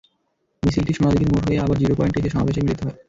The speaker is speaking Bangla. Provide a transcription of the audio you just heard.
মিছিলটি সোনাদীঘির মোড় হয়ে আবার জিরো পয়েন্টে এসে সমাবেশে মিলিত হয়।